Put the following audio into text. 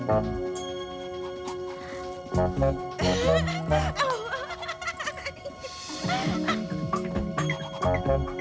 oh ini dia